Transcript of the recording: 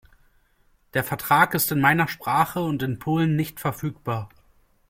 Der Vertrag ist in meiner Sprache und in Polen nicht verfügbar.